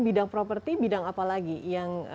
bidang properti bidang apa lagi yang